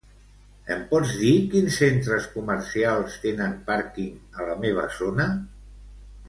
Em pots dir quins centres comercials tenen pàrquing a la meva zona?